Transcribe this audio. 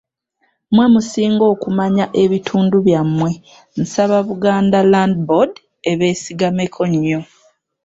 Mmwe musinga okumanya ebitundu byammwe nsaba Buganda Land Board ebeesigameko nnyo.